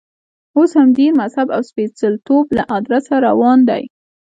اوس هم دین، مذهب او سپېڅلتوب له ادرسه روان دی.